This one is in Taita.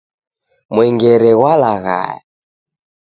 Mwengere ghwalaghaya.